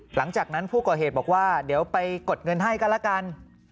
หลังจากนั้นผู้ก่อเหตุบอกว่าเดี๋ยวไปกดเงินให้ก็แล้วกัน